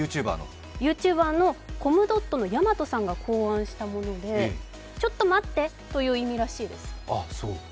ＹｏｕＴｕｂｅｒの、コムドットのやまとさんが考案したもので「ちょっと待って」という意味らしいです。